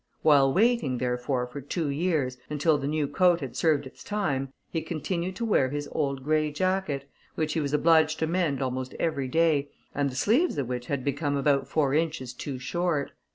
While waiting, therefore, for two years, until the new coat had served its time, he continued to wear his old grey jacket, which he was obliged to mend almost every day, and the sleeves of which had become about four inches too short.